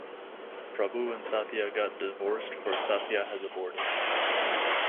Prabhu and Sathya get divorced for Sathya has aborted.